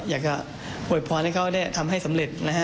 ยากก็หวัดพ้นให้เขาได้ทำให้สำเร็จนะฮะ